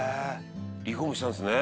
「リフォームしたんですね」